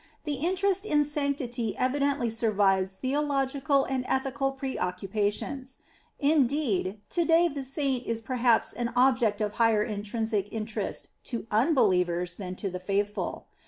The interest in sanctity evidently survives theological and ethical pre occupations. Indeed, to day, the Saint is perhaps an object of higher intrinsic interest to " unbelievers " than to the faithful.